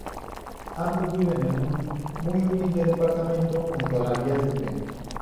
Ambos viven en un muy humilde departamento junto a la vía del tren.